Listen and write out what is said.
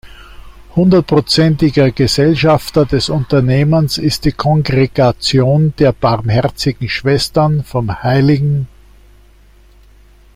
Hundertprozentiger Gesellschafter des Unternehmens ist die Kongregation der Barmherzigen Schwestern vom hl.